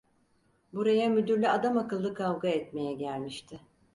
Buraya müdürle adamakıllı kavga etmeye gelmişti.